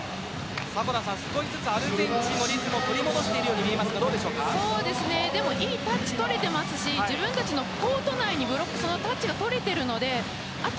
少しずつアルゼンチンがリズムを取り戻しているようにいいタッチは取れていますし自分たちのコート内でタッチが取れているのであと